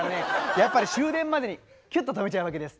やっぱり終電までにキュッと止めちゃうわけです。